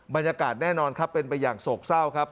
บรรยากาศแน่นอนครับเป็นไปอย่างโศกเศร้าครับ